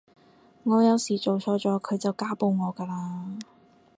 我有時做錯咗佢就家暴我㗎喇